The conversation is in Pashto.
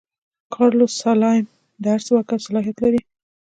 کارلوس سلایم د هر څه واک او صلاحیت لري.